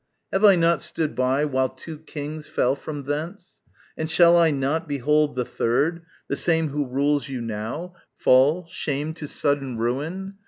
have I not stood by While two kings fell from thence? and shall I not Behold the third, the same who rules you now, Fall, shamed to sudden ruin?